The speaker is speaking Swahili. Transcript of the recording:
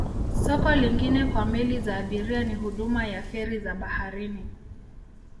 Soko lingine kwa meli za abiria ni huduma ya feri za baharini.